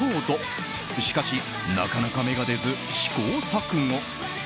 しかし、なかなか目が出ず試行錯誤。